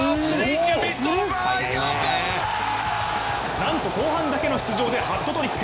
なんと後半だけの出場でハットトリック。